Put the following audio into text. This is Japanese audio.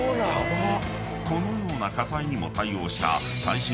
［このような火災にも対応した］